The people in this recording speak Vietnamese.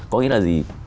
có nghĩa là gì